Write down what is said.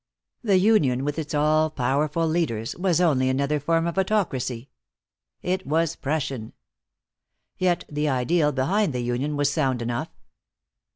The union, with its all powerful leaders, was only another form of autocracy. It was Prussian. Yet the ideal behind the union was sound enough.